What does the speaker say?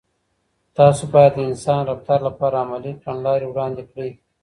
تاسو باید د انساني رفتار لپاره عملي کړنلارې وړاندې کړئ.